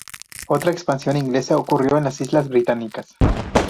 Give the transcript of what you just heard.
Otra expansión inglesa ocurrió en las Islas Británicas.